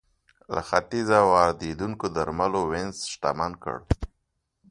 له ختیځه واردېدونکو درملو وینز شتمن کړ.